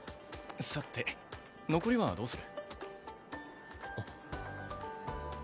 さて残りはどうする？